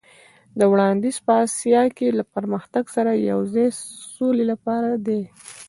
دا وړاندیز په اسیا کې له پرمختګ سره یو ځای د سولې لپاره دی.